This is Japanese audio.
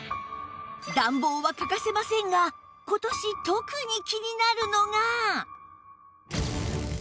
暖房は欠かせませんが今年特に気になるのが